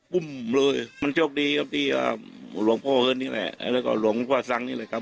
ปุ้มเลยมันโชคดีครับที่หลวงพ่อเงินนี่แหละ